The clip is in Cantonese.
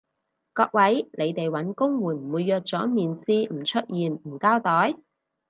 各位，你哋搵工會唔會約咗面試唔出現唔交代？